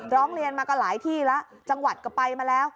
ร้องเรียนมาก็หลายที่แล้วจังหวัดก็ไปมาแล้ว